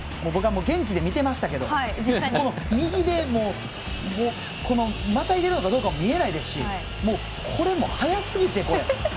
現地で見ていましたけど右でまたいでいるかどうかも見えないですしこれも速すぎて。